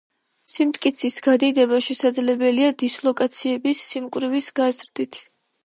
სიმტკიცის გადიდება შესაძლებელია დისლოკაციების სიმკვრივის გაზრდით.